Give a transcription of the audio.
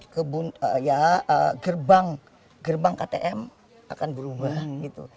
contohnya seperti gerbang ktm akan berubah gitu